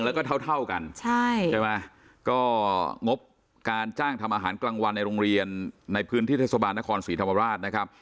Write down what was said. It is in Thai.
แล้วก็เท่าเท่ากันใช่ใช่ไหมก็งบการจ้างทำอาหารกลางวันในโรงเรียนในพื้นที่เทศบาลนครศรีธรรมราชนะครับ